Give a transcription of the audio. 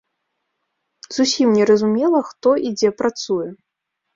Зусім не зразумела, хто і дзе працуе.